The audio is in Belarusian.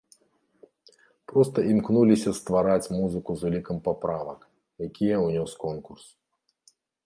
Проста імкнуліся ствараць музыку з улікам паправак, якія ўнёс конкурс.